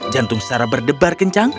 jantung sarah berdebar kencang